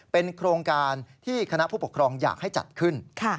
เป็นโครงการที่คณะผู้ปกครองอยากให้จัดขึ้น